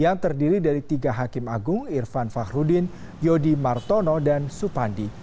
yang terdiri dari tiga pemerintah yang terdiri dari tiga hakim agung irvan fakhrudin yodi martono dan supandi